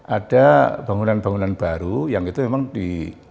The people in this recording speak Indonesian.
ada bangunan bangunan baru yang itu memang di